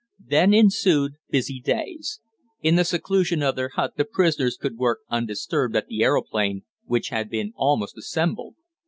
Then ensued busy days. In the seclusion of their hut the prisoners could work undisturbed at the aeroplane, which had been almost assembled.